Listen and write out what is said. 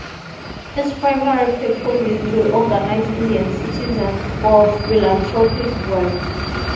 Its primary purpose is to organize Indian citizens for philanthropic work.